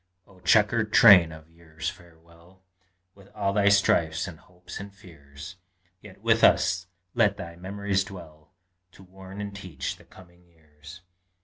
Oh, chequered train of years, farewell! With all thy strifes and hopes and fears! Yet with us let thy memories dwell, To warn and teach the coming years.